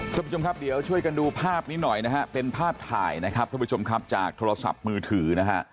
คุณผู้ชมครับเดี๋ยวช่วยกันดูภาพนี้หน่อยนะฮะเป็นภาพถ่ายนะครับทุกผู้ชมครับจากโทรศัพท์มือถือนะฮะ